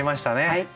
はい。